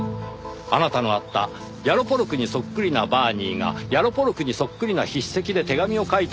あなたの会ったヤロポロクにそっくりなバーニーがヤロポロクにそっくりな筆跡で手紙を書いたわけですよ。